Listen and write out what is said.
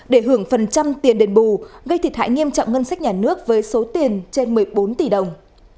để hưởng phần trăm tiền đền bù gây thiệt hại nghiêm trọng ngân sách nhà nước với số tiền trên một mươi bốn tỷ đồng